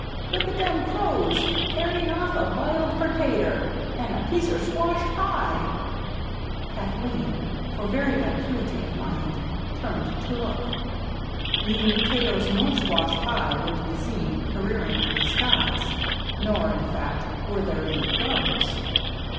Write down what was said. Look a' dem crows carryin' off a b'iled pertater 'n' a piecer squushed pie!" Kathleen, for very vacuity of mind, turned to look. Neither potatoes nor squash pie were to be seen careering through the skies ; nor, in fact, were there any crows.